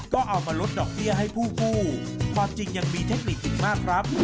ก็เอามาลดดอกเบี้ยให้ผู้กู้ความจริงยังมีเทคนิคอีกมากครับ